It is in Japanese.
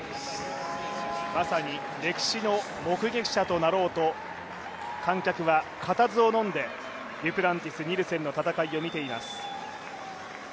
まさに歴史の目撃者となろうと、観客は固唾をのんでデュプランティスニルセンの戦いを見ています。